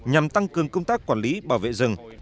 nhằm tăng cường công tác quản lý bảo vệ rừng